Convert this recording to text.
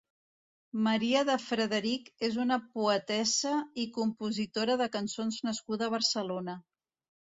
Maria de Frederic és una poetessa i compositora de cançons nascuda a Barcelona.